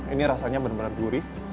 ini rasanya bener bener gurih